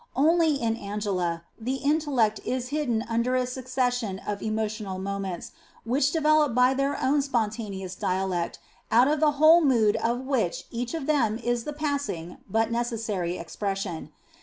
Only in Angela the in tellect is hidden under a succession of emotional moments, which develop by their own spontaneous dialectic out of the whole mood of which each of them is the passing but necessary expression.